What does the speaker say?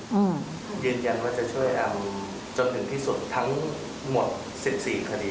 ยืนยันว่าจะช่วยจนถึงที่สุดทั้งหมด๑๔คดี